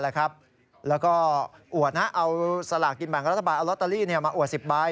แล้วก็อวดเอาสลากกินแบ่งรัฐบาลเอาลอตเตอรี่มาอวด๑๐ใบ